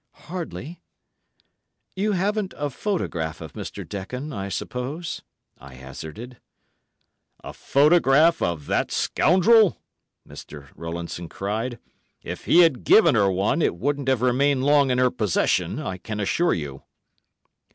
"Hardly." "You haven't a photograph of Mr. Dekon, I suppose?" I hazarded. "A photograph of that scoundrel," Mr. Rowlandson cried. "If he had given her one, it wouldn't have remained long in her possession, I can assure you."